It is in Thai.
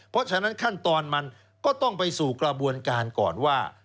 เพราะฉะนั้นขั้นตอนมันก็ต้องไปสู่กระบวนการก่อนว่า